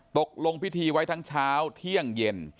ตกลงพิธีไว้ทั้งเช้าเที่ยงเย็น